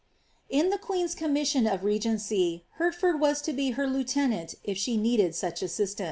n the queen^s commission of regency, Hertford was to be her lieu int, if she needed such assistance.